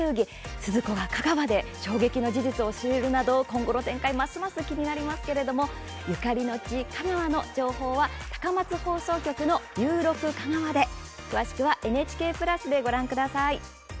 スズ子が香川で衝撃の事実を知るなど、今後の展開がますます気になりますけれどもそのゆかりの地、香川の情報は高松放送局の「ゆう６かがわ」で。詳しくはＮＨＫプラスでご覧ください。